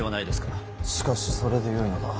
しかしそれでよいのだ。